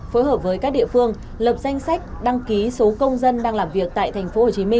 phối hợp với các địa phương lập danh sách đăng ký số công dân đang làm việc tại tp hcm